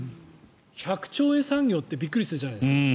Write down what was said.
１００兆円産業ってびっくりするじゃないですか。